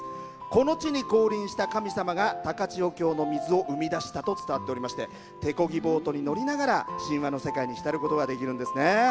この地に光臨した神様が高千穂峡の水を生み出したと伝わっていまして手こぎボートに乗りながら神話の世界にひたることができるんですね。